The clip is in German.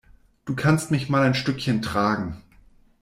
Du kannst mich mal ein Stückchen tragen.